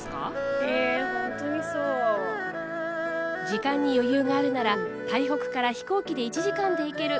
時間に余裕があるなら台北から飛行機で１時間で行ける